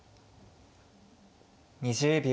２０秒。